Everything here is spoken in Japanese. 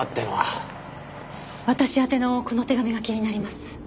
私宛てのこの手紙が気になります。